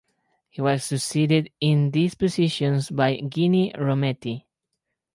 He was succeeded in these positions by Ginni Rometty.